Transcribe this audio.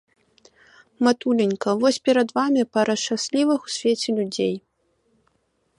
Матуленька, вось перад вамі пара шчаслівых у свеце людзей.